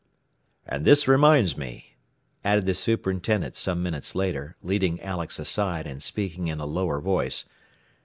"And this reminds me," added the superintendent some minutes later, leading Alex aside and speaking in a lower voice.